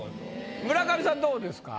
村上さんどうですか？